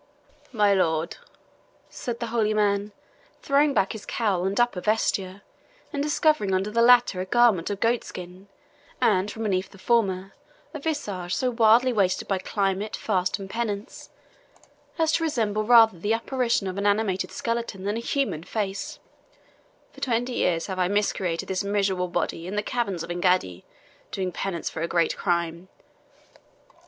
"My lord," said the holy man, throwing back his cowl and upper vesture, and discovering under the latter a garment of goatskin, and from beneath the former a visage so wildly wasted by climate, fast, and penance, as to resemble rather the apparition of an animated skeleton than a human face, "for twenty years have I macerated this miserable body in the caverns of Engaddi, doing penance for a great crime.